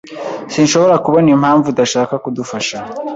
Sinshobora kubona impamvu udashaka kudufasha.